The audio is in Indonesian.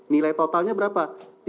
nilai totalnya berapa